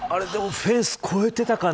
フェンス越えてたかね。